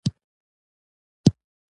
په ټولنه کي نظم اساسي نقش لري.